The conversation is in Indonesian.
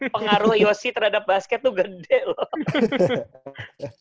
pengaruh yosi terhadap basket tuh gede loh